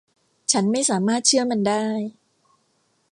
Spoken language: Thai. ฉันไม่สามารถเชื่อมันได้.